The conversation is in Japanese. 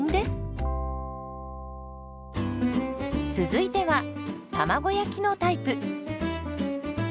続いては卵焼きのタイプ。